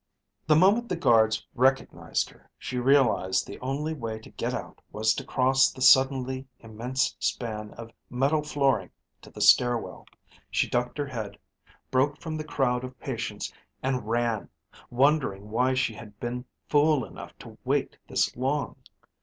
The moment the guards recognized her, she realized the only way to get out was to cross the suddenly immense span of metal flooring to the stairwell. She ducked her head, broke from the crowd of patients and ran, wondering why she had been fool enough to wait this long.